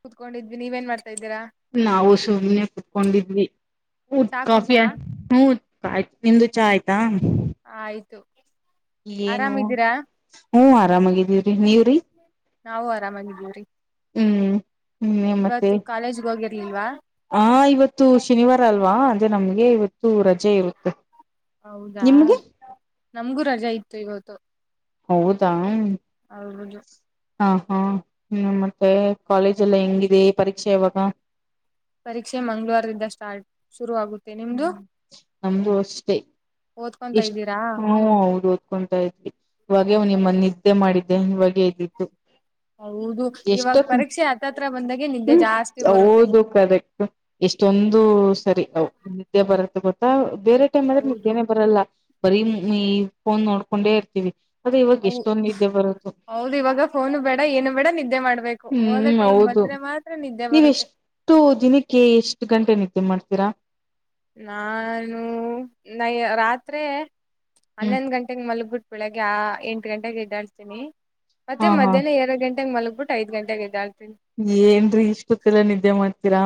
ಕುತ್ಕೊಂಡಿದ್ವಿ ನೀವೇನ್ ಮಾಡ್ತಾ ಇದ್ದೀರಾ. ಕೊಂಡಿದ್ವಿ ಹ್ಮ್ ಚಾ ಕಾಫಿ ಕುೂತ್ರಾ ಆಯ್ತ್ ಹೂಂ ನಿಮ್ದು ಚಾ ಆಯ್ತಾ. ಆಯ್ತು. ಇಲ್ಲೇನು ಆರಾಮಿದ್ದೀರಾ ಹೂಂ ಆರಾಮಾಗಿದ್ದೀವ್ರಿ ನೀವ್ರಿ. ನಾವು ಆರಾಮಾಗಿದ್ದೀವ್ರೀ. ಹ್ಮ್. ಹ್ಮ್ ಇನ್ನೇನ್ ಮತ್ತೆ ಕಾಲೇಜ್ಗೆ ಹೋಗಿರ್ಲಿಲ್ವಾ ಆ ಇವತ್ತು ಶನಿವಾರ ಅಲ್ವಾ. ಮತ್ತೆ ನಮ್ಗೆ ಇವತ್ತು ರಜೆ ಇವತ್ತು. ಹೌದಾ ನಮ್ಗೂ ರಜಾ ಇತ್ತು ಇವತ್ತು. ಹೌದಾ. ಹೌದು. ಹಾ ಹಾ ಹ್ಮ ಮತ್ತೆ ಕಾಲೇಜ್ ಎಲ್ಲ ಹೆಂಗಿದೆ ಪರೀಕ್ಷೆ ಯಾವಾಗ. ಪರೀಕ್ಷೆ ಮಂಗಳವಾರದಿಂದ ಸ್ಟಾರ್ಟ್. ಶುರು ಆಗುತ್ತೆ ನಿಮ್ದು ಹ್ಮ್ ನಮ್ದು ಅಷ್ಟೇ. ಓದ್ಕೊಂತಾ ಎಷ್ಟ್ ಇದ್ದೀರಾ ಹ್ಮ್ ಹೌದು ಓದ್ಕೊಂತಾ ಇದ್ವಿ ಇವಾಗ್ ಹಾಗ ನಿಮ್ಮನ್ನು ನಿದ್ದೆ ಮಾಡಿದ್ದೆ ಇವಾಗ ಹೆಡ್ಡಿಡ್ಡು ಹೌದು ಎಷ್ಟ ಇವಾಗ ಪರೀಕ್ಷೆ ಹತ್ತತ್ರ ಬಂದಾಗೆ ನಿದ್ದೆ ಜಾಸ್ತಿ ಬರುತ್ತೆ ಹೌದು ಕರೆಕ್ಟ್ ಎಷ್ಟೊಂದು ಒಂದು ಸರಿ ಅ ನಿದೆ ಬರುತ್ತೆ ಗೊತ್ತ ಬೇರೆ ಟೈಮ ಅಲ್ಲಿ ಆದ್ರೆ ಹೌದು ನಿದ್ದ್ದೇನೆ ಬರಲ್ಲ ಬರೀ ಈ ಫೋನ್ ನೋಡ್ಕೊಂಡೆ ಇರ್ತೀವಿ ಆದ್ರೆ ಇವಾಗ ಹ ಎಷ್ಟೊಂದು ನಿದ್ದೆ ಬರುತ್ತೋ ಹೌದ ಇವಾಗ ಫೋನು ಬೇಡ ಏನು ಬೇಡ ನಿದ್ದೆ ಮಾಡ್ಬೇಕು ಹೋದ ಹ್ಮ್ ಟೈಮ್ ಹೌದು ಬಂದು ಅಂದ್ರೆ ಮಾತ್ರ ನಿದ್ದೆ ನೀವ್ ಬರುತ್ತೆ ಎಷ್ಟು ದಿನಕ್ಕೆ ಎಷ್ಟು ಗಂಟೆ ನಿದ್ದೆ ಮಾಡ್ತೀರಾ ನಾನು ನ ರಾತ್ರಿ ಹ್ಮ್ ಹನ್ನೊಂದ ಗಂಟೆಗೆ ಮಲಗ್ಬಿಟ್ಟು ಬೆಳಗ್ ಆ ಎಂಟು ಗಂಟೆಗೆ ಇದ್ದಾಡ್ತೀನಿ ಮತ್ತೆ ಹಾ ಹಾ ಮಧ್ಯಾಹ್ನ ಎರಡು ಗಂಟೆಗೆ ಮಲ್ಗ ಬಟ್ಟ ಐದು ಗಂಟೆ ಗೆ ಹೆಡ್ಡೆಲ್ತೀನಿ ಏನ್ರೀ ಇಷ್ಟ ಗೊತ್ತಿಲ್ಲ ನಿದ್ದೆ ಮಾಡ್ತೀರಾ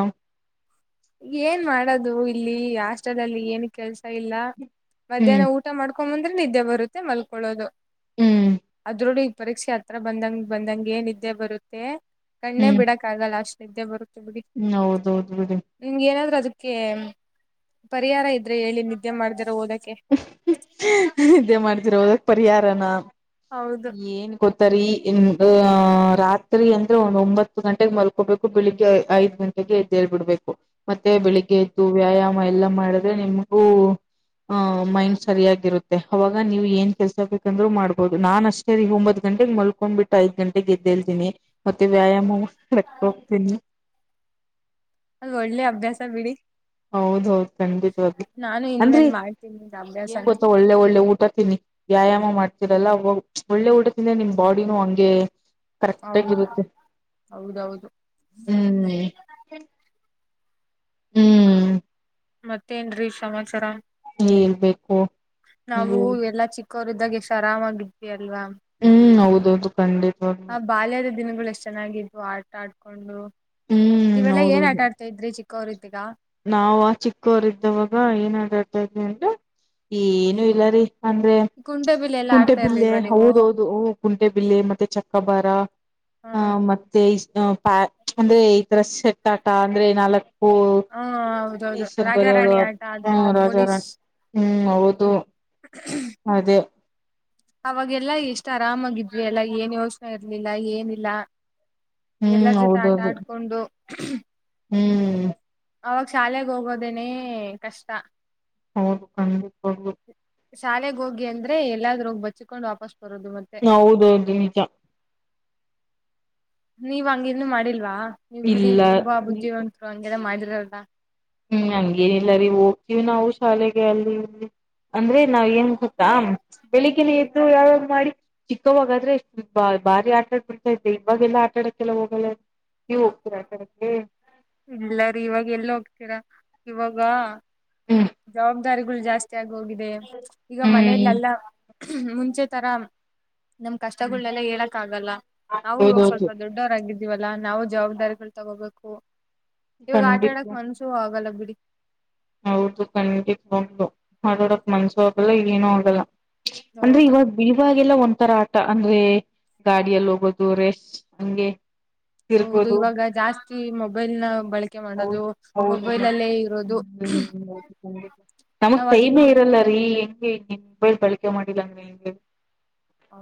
ಏನ್ ಮಾಡದು ಇಲ್ಲಿ ಆಷ್ಟ್ರಲಾಲ್ಲಿ ಏನು ಕೆಲ್ಸ ಇಲ್ಲ ಹ್ಮ್ ಮಧ್ಯಾಹ್ನ ಊಟ ಮಾಡ್ಕೊ ಬಂದ್ರೆ ನಿದ್ದೆ ಬರುತ್ತೆ ಮಲ್ಕೊಳ್ಳೋದು ಹ್ಮ್ ಅದ್ರೋಳ ಪರೀಕ್ಷೆ ಹತ್ರ ಬಂದಂಗ ಬಂದಂಗ ನಿದ್ದೆ ಬರುತ್ತೆ ಕಣ್ಣೇ ಬಿಡಕ್ ಆಗಲ್ಲ ಅಷ್ಟ್ ನಿದ್ದೆ ಬರುತ್ತೆ ಬಿಡಿ ಹ್ಮ ಹೌದೌದು ಬಿಡ ನಿಮ್ಗೆ ಏನಾದ್ರು ಅದಕ್ಕೆ ಪರಿಹಾರ ಇದ್ರೆ ಹೇಳಿ ನಿದ್ದೆ ಮಾಡ್ದಾರ ಓದಕ ನಿದ್ದೆ ಮಾಡದೆ ಹೋಧೋಕೆ ಪರಿಹಾರನ ಹೌದು ಏನ್ ಗೊತ್ತ ಸರಿ ರಾತ್ರಿ ಅಂದ್ರೆ ಒಂದು ಒಂಬತ್ತು ಗಂಟೆಗೆ ಮಲ್ಕೋಬೇಕು ಬೆಳಿಗ್ಗೆ ಐದ್ ಗಂಟೆಗೆ ಬೆಳಗ್ಗೆ ಹೆಡಲ್ಬಿಡ್ಬೇಕು ಮತ್ತೆ ಬೆಳಿಗ್ಗೆಯ್ದು ವ್ಯಾಯಾಮ ಎಲ್ಲಾ ಮಾಡಿದ್ರೆ ನಿಮ್ಗೂ ಆಹ ಮೈಂಡ್ ಸರಿಯಾಗಿರುತ್ತೆ ಅವಾಗ ನೀವ್ ಏನ್ ಕೆಲ್ಸ ಬೇಕಂದ್ರು ಮಾಡ್ಬೋದು ನಾನ್ ಅಷ್ಟ ಸರಿ ಒಂಬತ್ ಗಂಟೆಗೆ ಮಲ್ಕೊಂಡ್ ಬಿಟ್ಟ ಐದು ಗಂಟೆಗೆ ಹೇದ್ದೇಲ್ತೀನಿ ಮತ್ತೆ ವ್ಯಾಯಾಮ [unintelligible] ಹೋಗ್ತೀನಿ ಅದು ಒಳ್ಳೆ ಅಭ್ಯಾಸ ಬಿಡಿ ಹೌದ್ದ ಖಂಡಿತವಾಗಿ ನಾನು ಅಂದ್ರಿ ಇನ್ಮೇಲ್ ಮಾಡ್ತೀನಿ ಏನ್ ಅಭ್ಯಾಸನ ಗೊತ್ತ ಒಳ್ಳೆ ಒಳ್ಳೆ ಊಟ ತಿನ್ನಿ ವ್ಯಾಯಾಮ ಮಾಡ್ ಒಳ್ಳೆ ಊಟದಿಂದ ನಿಮ್ ಬಾಡಿನೂ ಹಂಗೆ ಕರೆಕ್ಟ್ ಹೌದು ಇರುತ್ತೆ ಹೌದೌದು ಆ ಹ್ಮ್ ಹ್ಮ್ ಮತ್ತೇನ್ ರಿ ಸಮಾಚಾರ ಹೇಳ್ಬೇಕು ನಾವು ಹ್ಮ್ ಎಲ್ಲಾ ಚಿಕ್ಕವರ ಇದಾಗ ಎಷ್ಟು ಆರಾಮಾಗಿದ್ದ ಅಲ್ವಾ ಹೌದು ಖಂಡಿತ ಆ ಬಾಲ್ಯದ ದಿನಗಳು ಎಷ್ಟು ಚೆನ್ನಾಗಿದ್ವು ಆಟ ಆಡ್ಕೊಂಡು ಹ್ಮ್ ನೀವೆಲ್ಲಾ ಏನ್ ಆಟಾಡ್ತಾ ಇದ್ರಿ ಚಿಕ್ಕವರು ಇದ್ದೀಗ ನಾವ ಚಿಕ್ಕೋರ್ದವಾಗ ಏನ್ ಆಡಡ್ತಾ ಇದ್ವಿ ಅಂದ ಏನು ಇಲ್ಲಾರಿ ಅಂದ್ರೆ ಕುಂಟೆಬಿಲ್ಲೆ ಎಲ್ಲಾ ಕುಂಟೆ ಆಡ್ತಾ ಬಿಲ್ಲೆ ಇರ್ಲಿಲ್ವಾ ನೀವು ಹೌದೌದು ಕುಂಟೆಬಿಲ್ಲೆ ಮತ್ತೆ ಚಕ್ಕಬಾರ ಹ ಹಾ ಮತ್ತೆ ಪ್ಯಾ ಅಂದ್ರೆ ಈ ತರ ಶೆಟ್ಟಾಟ ಅಂದ್ರೆ ನಾಲ್ಕು ಹ ಹೌದೌದು ಈಷ್ಟ ಬರಿ ರಾಜಾರಾಣಿ ಆಟ ಅದೆಲ್ಲ ಹ್ಮ್ ಪೊಲೀಸ್ ರಾಜಾರಾಣಿ ಹ್ಮ್ ಹೌದು ಅದೇ ಅವಾಗೆಲ್ಲ ಎಷ್ಟ್ ಆರಾಮಾಗಿದ್ವಿ ಎಲ್ಲಾ ಏನ್ ಯೋಚನೆ ಇರ್ಲಿಲ್ಲ ಏನಿಲ್ಲ ಹ್ಮ್ ಎಲ್ಲರ ಜೊತೆ ಆಟ ಹೌದೌದು ಆಡ್ಕೊಂಡು ಹ್ಮ್ ಅವಾಗ ಶಾಲೆೆಗೆ ಹೋಗೋದೇನನೆ ಕಷ್ಟ ಹೌದು ಖಂಡ ಹದು ಶಾಲೆಗೆ ಹೋಗಿ ಅಂದ್ರೆ ಎಲ್ಲಾದೂೋಗ ಬಚ್ಚಚ್ಕೊಂಡು ವಾಪಸ್ ಬರೋದು ಮತ್ತೆ ಹ ಹೌದೌದು ನಿಜ ನೀವ್ ಹಂಗಿನ್ನು ಮಾಡಿಲ್ವಾ ನೀವ್ ಬಿಡಿ ಇಲ್ಲ ತುಂಬಾ ಬುದ್ಧಿವಿವಂತ್ರು ಹಂಗೆಲ್ಲ ಮಾಡಿದ್ರರಲ್ದ ಹ್ಮ್ ಹಂಗೇನಿಲ್ಲ ರೀ ಹೋಗ್ತೀವಿ ನಾವು ಶಾಲೆಗೆ ಅಲ್ಲಿ ಅಂದ್ರೆ ನಾವ್ ಏನ್ ಹತಾ ಬೆಳಿಗ್ ಎರು ಯಾವ್ ಮಾಡಿ ಚಿಕ್ಕವಾಗಾದ್ರೆ ಬಾರಿ ಆಟ ಆಡ್ ಬಿಡ್ತಾ ಇದೆ ಇವಾಗೆಲ್ಲಾ ಆಟಾಡ ಕೆಲ ಹೋಗ ನೀ ಹೋಗ್ತೀರಾ ಇಲ್ಲಾರ ಇವಾಗ ಎಲ್ಲ ಹೋಗ್ತೀರ ಇವಾಗ ಹ್ಮ್ ಜಾಬ್ ದಾರಿಗಳು ಜಾಸ್ತಿ ಆಗ ಹೋಗಿದೆ ಈಗ ಮನೇಲೆೆಲ್ಲ ಹ್ಮ್ ಮುಂಚೆ ತರ ನಮ್ ಕಷ್ಟಗಳೆಲ್ಲ ಹೇಳಕ್ಗಲ್ಲ ನಾವು ಹೋಗ್ ಹೌದೌದು ಸ್ವಲ್ಪ ದೊಡ್ಡವರಾಗಿದ ವಲ್ಲಾ ನಾವು ಜವಾಬ್ದಾರಿಗಳು ತಗೋಬೇಕು ಇವಾಗ ಆಟ ಖಂಡಿತ ಆಡಕ್ ಮನ್ಸು ಆಗಲ್ಲ ಹ ಹೌದು ಖಂಡಿತ ಹು ಮಾಡೋಡಕ್ ಮನ್ಸು ಆಗಲ್ಲ ಏನುೂ ಆಗಲ್ಲ ಅಂದ್ರೆ ಹೌದು ಇವಾಗ ಇವಾಗೆಲ್ಲ ಒಂತರ ಆಟ ಅಂದ್ರೆ ಗಾಡಿಯ ಲ ದೂರೆ ಅಗೆ ಹೌದು ಇವಾಗ ಜಾಸ್ತಿ ಮೊಬೈಲ್ ನ ಬಳಕೆ ಮಾಡೋದು ಹೌದು ಹೌದು ಮೊಬೈಲ್ ಮೇಡಮ್. ಅಲ್ಲೇ ಇರೋದು ಹ್ಮ್ ನಮಕ್ ನಾವ್ ಅದಕ್ ಕೈಮೆ ಇರಲ್ಲ ರೀ ಹೆಂಗ ಮಬೈಲ್ ಕಳಿಕ ಮಾಡಿದಾಂಗ ಹೆಂಗ ಹ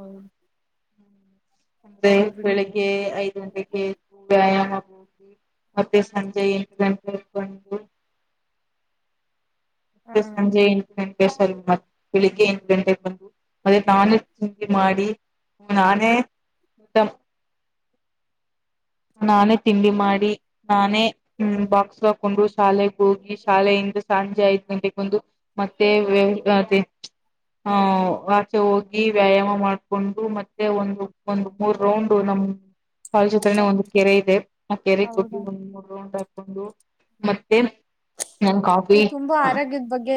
ಅಂದ್ರೆ ಬೆಳಿಗ್ಗೆ ಐದ್ ಗಂಟೆಗೆ ವ್ಯಾಯಾಮ ಹೋಗಿ ಮತ್ತೆ ಸಂಜೆ ಎಟು ಗಂಟಕೊಂಡು ಹ ಮತ್ತೆ ಸಂಜೆ ಎಂಟು ಗಂಟೆ ಸರ್ ಮತ್ತ ಬೆಳಿಗ್ಗೆ ಎಂಟು ಗಂಟೆಗೆ ಬಂದು ಅದೇ ನಾನು ಚಿ ಮಾಡಿ ನಾನೇ ನಾನೇ ತಿಂಡಿ ಮಾಡಿ ನಾನೇ ಹ್ಮ ಬಾಕ್ಸ್ಕ್ ಹಕೊಂಡ್ರು ಶಾಲೆೆಗೆ ಹೋಗಿ ಶಾಲೆಯಿಂದ ಸಂಜೆ ಐದ್ ಗಂಟೆಗೆ ಬಂದು ಮತ್ತೆ ವ್ಯವ ಹಹ ಆಚೆ ಹೋಗಿ ವ್ಯಾಯಾಮ ಮಾಡ್ಕೊಂಡು ಮತ್ತೆ ಒಂದು ಒಂದು ಮೂರ್ ರೌಂಡ್ ನಮ್ಮ ಹೌ ಕಾಲ ಜೊತ್ರನ ಒಂದು ಕೆರೆ ಇದೆ ಆ ಕೆರೆ ಗಬ್ಬಿ ಹೌದಾ ಒಂದ್ ಮೂರು ಹಾಕೊಂಡು ಮ ನನ್ ಕಾಫಿ ನೀವು ತುಂಬಾ ಆರೋಗ್ಯದ ಬಗ್ಗೆ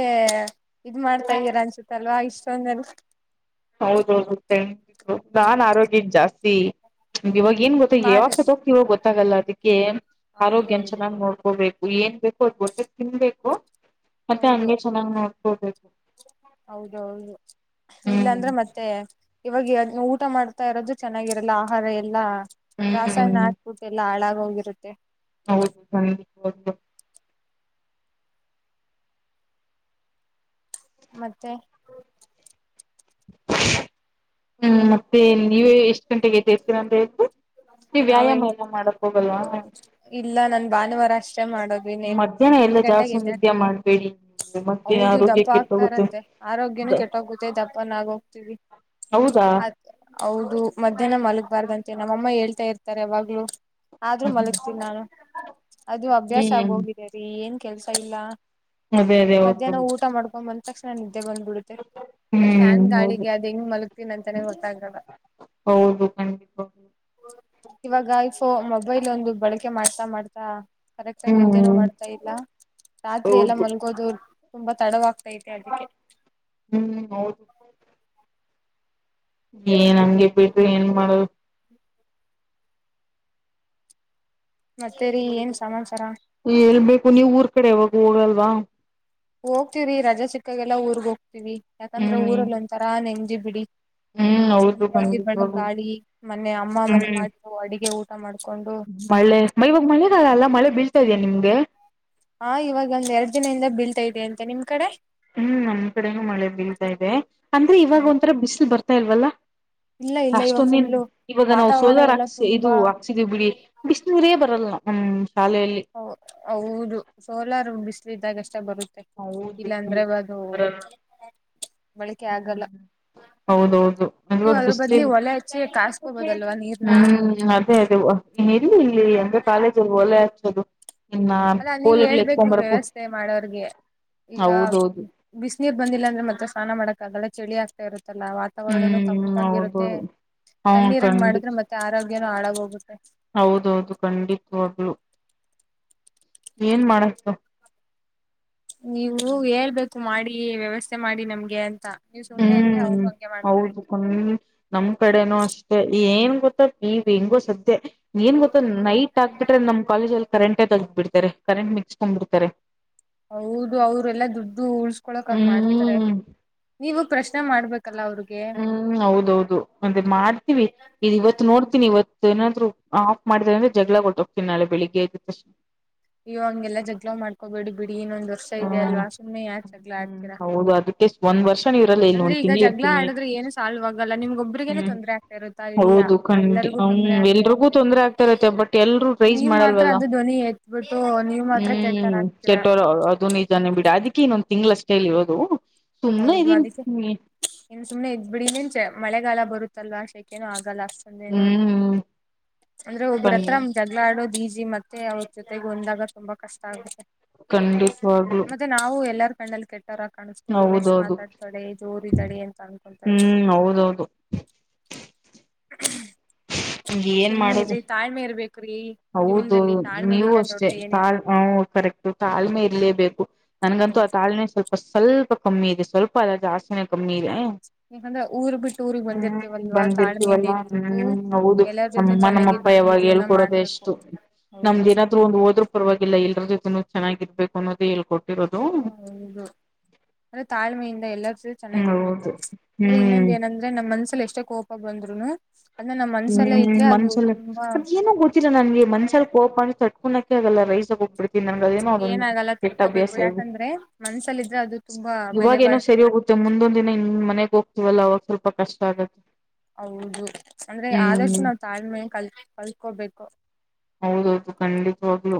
ಇದ್ ಮಾಡ್ತಾ ಇದ್ದೀರಾ ಅನ್ಸುತ್ತ ಅಲ್ವಾ ಇಷ್ಟೊಂದ ಹೌದೌದುಂಡ ನಾನ್ ಆರೋಗ್ಯನ್ ಜಾಸ್ತಿ ಮ್ ಇವಾಗ ಏನ್ ಗೊತ್ತ ನಾನ್ ಯಾವಾಗ ಸ ಹೋಗ್ತಿ ಇವಾಗ ಗೊತ್ತಾಗಲ್ಲ ಅದಕ್ಕೆ ಆರೋಗ್ಯನ್ ಹೌದೌದು ಚೆನ್ನಾಗ್ ನೋಡ್ಕೋಬೇಕು ಏನ್ ಬೇಕು ಅದ್ ಗೊಟ್ಟ ತಿನ್ಬೇಕು ಮತ್ತೆ ಹೌದು ಹಂಗೆ ಚೆನ್ನಾಗ್ ನೋಡ್ಕೊಬೇಕು ಹೌದೌದು ಇಲ್ಲಾಂದ್ರೆ ಮತ್ತೆ ಇವಾಗ ಊಟ ಮಾಡ್ತಾ ಇರೋದು ಚೆನ್ನಾಗಿರಲ್ಲ ಆಹಾರ ಎಲ್ಲಾ ರಾಸಾಯನ ಹ್ಮ್ ಹಾಕ್ಬಿಟ್ಟು ಎಲ್ಲ ಹಾಳಾಗ ಹೋಗಿರುತ್ತೆ ಹೌದು ಸಂ ಮತ್ತೆ ಹ್ಮ್ ಮತ್ತೆ ನೀವೇ ಎಷ್ಟ್ ಗಂಟೆಗೆದೇರ್ತೀರ ಅಂತ ಹೇಳು ನಾವ ಎನ್ ಇಲ್ಲ ನನ್ ಭಾನುವಾರ ಅಷ್ಟೇ ಮಾಡೋದು ಇನ್ನೇನ್ ಮಧ್ಯಾಹ್ನ ಎಲ್ಲ ಎಂಟು ಗಂಟೆಗೆ ಜಾಸ್ತಿ ಎದ್ದ ನಿದ್ಯೆ ಮಾಡ್ಬೇಡಿ ಮತ್ತೆ ಹೌದು ಆರೋಗ್ಯ ದಪ್ಪ ಕೆಟ್ಟೋಗುತ್ತೆ ಆಗ್ತಾರಂತೆ ಆರೋಗ್ಯನೂ ಕೆಟ್ಟೋಗುತ್ತೆ ದಪ್ಪನಾಗ ಹೋಗ್ತೀವಿ ಹೌದಾ ಅ ಹೌದು ಮಧ್ಯಾಹ್ನ ಮಲ್ಗ್ಬಾರ್ದಂತೆ ನಮ್ಮಮ್ಮ ಹೇಳ್ತಾ ಇರ್ತಾರೆ ಅವಾಗ್ಲು ಆದ್ರೂ ಮಲಗ್ತೀನಿ ನಾನು ಅದು ಅಭ್ಯಾಸ ಆಗ ಹ್ಮ್ ಹೋಗಿದ್ದೇರಿ ಏನ್ ಕೆಲ್ಸ ಇಲ್ಲ ಅದೇ ಅದೇ ಹೌದು ಮಧ್ಯಾಹ್ನ ಊಟ ಮಾಡ್ಕೊಂಡ ಬಂದ ತಕ್ಷಣ ನಿ ಬ್ಬ ಬಿಡುತ್ತೆ ಅಲ್ಲಿ ಫ್ಯಾನ್ ಹ್ಮ್ ಹೌದು ಗಾಡಿಗೆ ಅದ ಹೆಂಗ್ ಮಲಗ್ತೀನ ಅಂತಾನೆ ಗೊತ್ತಾಗಲ್ಲ ಹೌದು ದದುಕ ಇವಾಗ ಇಫೋ ಮೊಬೈಲ್ ಒಂದು ಬಳಕೆ ಮಾಡ್ತಾ ಮಾಡ್ತಾ ಕರೆಕ್ಟ್ಂಗ ವಿದೆನೂ ಹ್ಮ್ ಮಾಡ್ತಾ ಇಲ್ಲ ರಾತ್ರಿ ಎಲ್ಲಾ ಹೌದು ಮಲ್ಗೋದು ತುಂಬಾ ತಡವ್ತ ಅದಕ್ಕೆ ಹ್ಮ್ ಹೌದು ಏನ್ ನಮಗೆ ಬಯತು ಏನ್ ಮಾಡುದು ಮತ್ತೇರಿ ಏನ್ ಸಮಾಚಾರ ಎಲ್ ಬೇಕು ನೀವ್ ಊರ್ ಕಡೆ ಯಾವಾಗ ಹೋಗಲ್ವಾ ಹೋಗ್ತಿರಿ ರಜಾ ಸಿಕ್ಕಗೆಲ್ಲ ಊರ್ಗ್ ಹೋಗ್ತಿವಿ ಯಾಕಂದ್ರ ಹ್ಮ್ ಊರಲ್ಲಿ ಒಂತರಾ ನೆಂಗ್ದಿ ಬಿಡಿ ಹ್ಮ್ ಹೌದು ಅಲ್ಲಿ ಬೆಳಗ್ ಖಂಡಿತವಾಗ್ಲೂ ಗಾಳ ಮನೆೆ ಅಮ್ಮ ಮ ಹ್ಮ್ ಮಾಡು ಅಡಗೆ ಊಟ ಮಾಡ್ ಮಳೆ ಮ ಇವಾಗ ಮಳೆದಾಲ ಅಲ್ಲ ಮಳೆ ಬೀಳ್ತಾ ಇದ್ಯಾ ನಿಮ್ಗೆ ಹಾ ಇವಾಗ ಒಂದ್ ಎರಡ್ ದಿನದಿಂದ ಬೀಳ್ತಾ ಇದಂತೆ ನಿಮ್ ಕಡೆ ಹ್ಮ್ ನಮ್ ಕಡೆನೂ ಮಳೆ ಬೀಲ್ತಾ ಇದೆ ಅಂದ್ರೆ ಇವಾಗ ಒಂಥರ ಬಿಸಿಲು ಬರ್ತಾ ಇಲ್ವಲ್ಲ ಇಲ್ಲ ಇಲ್ಲ ಇವಾಗ ಅಷ್ಟೊಂದೇ ಫುಲ್ಲು ಇವಾಗ ನಾಾವವು ವಾತಾವರಣ ಸೋಲಾರ್ ಎಲ್ಲ ಹಾಕ್ಸ ಇದು ತುಂಬಾ ಹಾಕ್ಸಿದೀವಿ ಬಿಡಿ ಬಿಸ ನೀೀರೇ ಬರಲ್ಲ ನಾವು ಹ್ಮ್ ಹ ಹೌದು ಸೋಲಾರ ಬಿಸಿ್ಲು ಇದಿದ್ದಾಗ ಅಷ್ಟೇ ಇಷ್ಟ ಬರುತ್ತೆ ಹೌದು ಇಲ್ಲಾ ಅಂದ್ರೆ ಅದು ಬರಲ್ಲ ಬಳಕೆ ಆಗಲ್ಲ ಹೌದೌದು ಅ ನೀವ್ ಅದ್ರ ಬಲಿ ಬದ್ಲಿ ಒಲೆ ಹಚ್ಚಿ ಕಾಸ್ಕೋಬೋದಲ್ವಾ ನೀರ್ನ ಹ್ಮ್ ಅದೇ ಅ ಇಲ್ಲಿ ಇಲ್ಲಿ ಅಂದ್ರೆ ಕಾಲೇಜಲ್ಲಿ ಓಲೆ ಹಚದು ಅಲ್ಲಾ ನೀವ್ ಹೇಳ್ಬೇಕು ವ್ಯವಸ್ಥೆ ಮಾಡೋರ್ಗೆ ಈಗ ಹೌದೌದು ಬಿಸ್ ನೀರ್ ಬಂದಿಲ್ಲ ಅಂದ್ರೆ ಮತ್ತತ್ರ ಸ್ನಾನ ಮಾಡಕ್ ಅದಲ್ಲ ಚಳಿ ಆಗ್ತಾ ಇರುತ್ತಲ್ಲ ವಾತಾವರಣನೂ ತಂಪಾಗಿರುತ್ತೆ ಹ್ಮ ತಣ್ಣೀರಂಗ್ ಮಾಡಿದ್ರೆ ಖಂಡತ್ ಮತ್ತೆ ಆರೋಗ್ಯನೂ ಹಾಳಾಗೋಗುತ್ತೆ ಹೌದೌದು ಖಂಡಿತವಾಗಲು ಏನ್ ಮಾಡತು ನೀವು ಹೇಳ್ಬೇಕು ಮಾಡಿ ವ್ಯವಸ್ಥೆ ಮಾಡಿ ನಮ್ಗೆ ಅಂತ ನೀವ್ ಸುಮ್ನೆ ಇದ್ರೆ ಹ್ಮ್ ಅವ್ರು ಹಂಗೆ ಮಾಡ್ತಾರೆ ಹೌದುಕ ನಮ್ ಕಡೆನೂ ಅಷ್ಟ ಏನ್ ಗೊ ಈ ಹೆಂಗೋ ಸದ್ಯ ಏನ್ ಗೊತ್ತಾ ನೈಟ್ ಆಗ್ಬಿಟ್ರೆ ನಮ್ ಕಾಲೇಜ್ ಅಲ್ಲಿ ಕರೆಂಟೇ ತಗ್ದ್ಬ ಬಿಡ್ತಾರೆ ಕರೆಂಟ್ ಮಿಕ್ಸ್ಕೊಂಡ್ ಬಿಡ್ತಾರೆ ಹೌದು ಅವ್ರಲ್ಲಾ ದುಡ್ಡು ಉಳ್ಸ್ಕೊಳಕ್ ಹಂಗ ಮಾಡ್ತಾರೆ ಹ್ಮ್ ನೀವು ಪ್ರಶ್ನೆ ಮಾಡ್ಬೇಕ ಹ್ಮ್ ಹೌದೌದು ಮತ್ತೆ ಮಾಡ್ತೀವಿ ಇ ಇವತ್ತು ನೋಡ್ತೀನಿ ಇವತ್ತು ಏನಾದ್ರು ಆಫ್ ಮಾಡಿದಾರೆ ಅಂದ್ರೆ ಜಗಳ ಕೊಟ್ಟ ಹೋಗ್ತೀಿ ನಾಳೆ ಬೆಳಗ್ಗೆ ಇದ್ದ ತಕ್ಷ ಇವ ಹಂಗೆಲ್ಲ ಜಗ್ಗಳಾ ಮಾಡ್ಕೋಬೇಡಿ ಬಿಡಿ ಇನ್ನೊಂದ್ ವರ್ಷ ಇದೆ ಹ್ಮ್ ಅಲ್ವಾ ಸುಮ್ನೆ ಯಾತ್ ಜಗಳಾ ಹ್ಮ್ ಆಡ್ತೀರಾ ಹೌದು ಅದ ಅಂದ್ರೆ ಈಗ ಜಗಳಾ ಆಡುದ್ರ ಏನು ಸಾಲ್ವ್ ಆಗಲ್ಲ ನಿಮ್ಗೊಬರಿಗೇನೆೇ ಹ್ಮ್ ತೊಂದರೆ ಆಗ್ತಾ ಇರುತ್ತಾ ಇಡೀಾ ಹೌದು ಖಂಡಿ ಎಲ್ಲರಿಗೂ ತೊಂದರೆ ಹ್ಮ್ ಆಗ್ತಾ ಎಲ್ರಿಗೂ ಇರುತ್ತೆ ತೊಂದ್ರೆ ಬಟ್ ಎಲ್ರೂ ಟ್ರೈಸ್ ನೀವ್ ಮಾತ್ರ ಮಾಡಲ್ವಲ್ಲ ಅದು ಧ್ವನಿ ಎತ್ಬಿಟ್ಟು ನೀವ್ ಮಾತ್ರ ಹ್ಮ್ ಕೆಟ್ಟೋರಾಗ್ತೀರಾ ಕೆಟ್ಟೋ ಇದೊನ್ನೆ ಬಿಡ ಅದಕ್ಕೆ ಇನ್ನೊಂದ್ ತಿಂಗ್ಳಷ್ಟೇಲ್ಲಿ ಇರೋದು ಸುಮ್ ಇದೀನ್ ಬಿಡಿ ಮುಂಚೆ ಮಳೆಗಾಲ ಬರುತ್ತಲ್ವಾ ಶೆಕೆನು ಆ ಲ್ಲ ಅಂದ ಏನು ಹ್ಮ್ ಅಂದ್ರೆ ಒಬ್ರ ಖಂ ಹತ್ರ ಜಗ್ಲಾ ಆಡೋಜ ಮತ್ತೆ ಅವ್ರ ಜೊತೆಗೆ ಒಂದಾಗ ತುಂಬಾ ಕಷ್ಟ ಆಗುತ್ತೆ ಕಂಡಿಪಾಗ್ಲು ಕಣ್ಣಲ್ ಕೆಟ್ಟಾರರ ಕಾಣುತ್ತ ರೇಶ್ ಮಾತಾಡ್ತಾಳೆ ಜೋರಿದ್ದಾಳ ಅಂತ ಅನ್ಕೊತಾರೆ ಹ್ಮ್ ಹೌದೌದು ಹ್ಮ ಹ ಏನ್ ಮಾಡುದು ಇರ್ಬೇಕ್ರಿ ಹೌದು ಜೀವನದಲ್ಲಿ ನೀವು ತಾಳ್ಮೆಗಿಂತ ಅಷ್ಟೇ ದೊಡ್ಡದು ಏನಿಲ್ಲ ತಾಲ್ ಕರೆಕ್ ಕಾಲ್ ಇರ್ಲೇಬೇಕು ನನ್ಗಂತೂ ಆ ತಾಳ್ಮೆ ಸ್ವಲ್ಪ ಸ್ವಲ್ಪ ಕಮ್ಮಿ ಇದೆ ಸ್ವಲ್ಪ ಅದ ಜಾಸ್ತ ಕಮ್ಮಿದೆ ಯಾಕಂದ್ರೆ ಊರ್ ಬಿಟ್ಟು ಊರಿಗ್ ಹ್ಮ್ ಬಂದಿರ್ತೇವಲ್ವಾ ತಾಳ್ಮೆಯಿಂದ ಬಂದಿರ್ತೀವಲ್ಲ ಇದ್ಬಿಟ್ಟು ಹ್ಮ್ ಹೌದು ಎಲ್ಲಾರ್ ಜೊತೆ ನಮ್ಮಮ್ಮ ನಮ್ಮಪ್ಪ ಚೆನ್ನಾಗಿದ್ಬಿಟ್ಟು ಯಾವಾಗ ಜೀವನ ಹೇಳ್ಕೊಡೋದೆ ಮಾಡ್ಬೇಕು ಎಷ್ಟು ನಮ್ದ್ ಹೌದು ಏನ್ರು ಒಂದು ಹೋದ್ರು ಪವಾಗಿಲ್ಲ ಎಲ್ರ ಜೊತೆನು ಚೆನ್ನಾಗಿ ಇರ್ಬೇಕು ಅನ್ನೋದ ಹೇಳ್ಕೊಟ್ಟು ಹೌದು ಅಂದ್ರೆ ತಾಳ್ಮೆಯಿಂದ ಎಲ್ಲ ಸೂ ಚೆನ್ನಾಗಿರ್ಬೇಕು ಹೌದು ಅಂದ್ರೆ ಇನ್ನೊಂದ ಹ್ಮ್ ಏನಂದ್ರೆ ನಮ್ ಮನ್ಸ ಎಷ್ಟೇ ಕೋಪ ಬಂದ್ರುನು ಅದನ್ನ ನಮ್ ಮನ್ಸಲ್ಲೇ ಹ್ಮ್ ಇದ್ರೆ ಅದು ಮನ್ಸಲ್ ತುಂಬಾ ಮತ್ತ ಏನ ಗೊತ್ತಿಲ್ಲ ನನ್ಗೆ ಮನ್ಸಲ್ ಕೋಪ ಅಸ ಕುುನಕ್ಕೆ ಅಲ್ಲ ರೈಸ ಹೋಗ್ಬಿಟ್ಟು ನನ್ಗ ಅದೇನೋ ಅದೊಂದು ಏನಾಗಲ್ಲ ಕೆಟ್ಟ ತಡ್ಕೋಬೇಕು ಅಭ್ಯಾಸ ಇದೆ ಯಾಕಂದ್ರೆ ಮನ್ಸಲ್ಲಿದ್ರೆ ಅದು ತುಂಬಾ ಬೆಲೆ ಇವಾಗ ಏನೋ ಬಾಳುತ್ತೆ ಸರಿ ಹೋಗುತ್ತೆ ಮುಂದೊಂದ್ನ ಇನ್ ಮನೆಗ್ ಹೋಗ್ತಿವಲ್ಲ ಅವಾಗ ಸ್ವಲ್ಪ ಕಷ್ಟ ಆಗತ್ತೆ ಹೌದು ಅಂದ್ರೆ ಆದಷ್ಟು ಹ್ಮ್ ನಾವ್ ತಾಳ್ಮೆಯ ಕಲ್ ಕಲ್ಕೋಬೇಕು ಹೌದೌದು ಖಂಡಿತವಾಗ್ಲು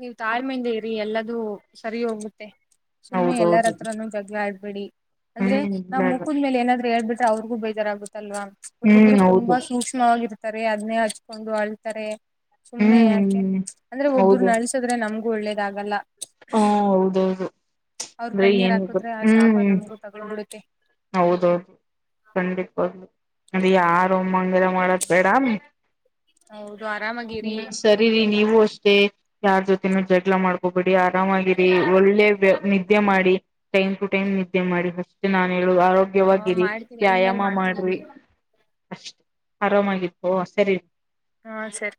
ನೀವ್ ತಾಳ್ಮೆಯಿಂದ ಇರಿ ಎಲ್ಲದುೂ ಸರಿ ಹೋಗುತ್ತೆ ಸುಮ್ನೆ ಎಲ್ಲರ ಹೌದೌದು ಹತ್ರನುೂ ಜಗ್ಲ ಆಡ್ ಬಿಡಿ ಅಂದ್ರೆ ನಮ್ ಹ್ಮ್ ಮುಖದ ಮೇಲೆ ಏನಾದ್ರು ಹೇಳ್ಬಿಟ್ರೆ ಅವ್ರಿಗೂ ಬೇಜಾರ ಆಗತ್ ಅಲ್ವಾ ಹ್ಮ್ ಒಬ್ಬೊಬ್ರು ತುಂಬಾ ಹೌದು ಸೂಕ್ಷ್ಮವಾಗಿರ್ತಾರೆ ಅದನ್ನೇ ಹಚ್ಕೊಂಡು ಅಳ್ತಾರೆ ಸುಮ್ನೆ ಯಾಕೆ ಹ್ಮ್ ಅಂದ್ರೆ ಹೌದು ಒಬ್ರನ್ನ ಅಳ್ಸದ್ರೆ ನಮ್ಗೂ ಒಳ್ಳೇದಾಗಲ್ಲ ಹಾ ಹೌದೌದು ಅವ್ರ ಅಂದ್ರೆ ಕಣ್ಣೀರ್ ಏನ್ ಗೊತ್ ಹಾಕುದ್ರೆ ಆ ಶಾಪ ಹ್ಮ್ ನಮ್ಗೂ ಹ್ಮ ತಗೊಳ್ಬಿಡುತ್ತೆ ಹೌದೌದು ಖಂಡಿತ್ವಾಗ್ಲೂ ಅದು ಯಾರು ಹಂಗೆಲ್ಲ ಮಾಡದ್ ಬೇಡ ಹ್ಮ ಹೌದು ಆರಾಮಾಗಿರಿ ಸರಿ ರಿ ನೀ ನಿವು ಅಷ್ಟೇ ಯಾರ್ ಜೊತೆನು ಜಗ್ಳ ಮಾಡ್ಕೋಬಿಡಿ ಆರಾಮಾಗಿರಿ ಒಳ್ಳೆ ವ್ಯಾ ಮಾಡಿ ಟೈಮ್ ಟು ಟೈಮ್ ನಿದ್ದೆ ಮಾಡಿ ಹೇಳು ಹ ಆರೋಗ್ಯವಾಗಿರಿ ಮಾಡ್ತೀನಿ ಇನ್ಮೇಲ್ ವ್ಯಾಯಾಮ ಮಾಡ್ತೀನಿ ಮಾಡ್ರಿ ಬಿಡಿ. ಅಷ್ಟೇ ಆರಾಮಾಗಿತ್ತು ಸರಿ ಹಾ ಸರಿ